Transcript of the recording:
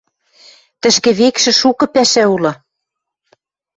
Тӹшкевекшӹ шукы пӓшӓ улы...